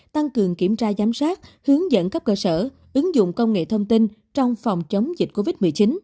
tăng cường kiểm tra giám sát hướng dẫn cấp cơ sở ứng dụng công nghệ thông tin trong phòng chống dịch covid một mươi chín